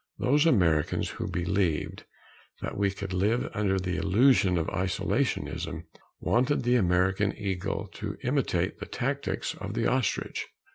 Those Americans who believed that we could live under the illusion of isolationism wanted the American eagle to imitate the tactics of the ostrich.